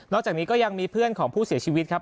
จากนี้ก็ยังมีเพื่อนของผู้เสียชีวิตครับ